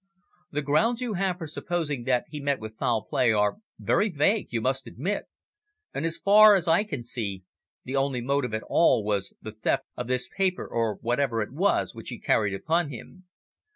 The grounds you have for supposing that he met with foul play are very vague, you must admit, and as far as I can see, the only motive at all was the theft of this paper, or whatever it was, which he carried upon him.